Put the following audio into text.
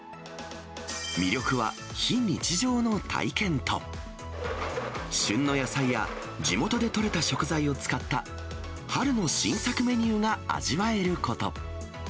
魅力は、非日常の体験と、旬の野菜や地元で取れた食材を使った、春の新作メニューが味わえること。